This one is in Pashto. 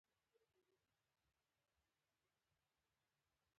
پر سوداګرۍ د محدودیتونو باندې سخته اتکا شوې وه.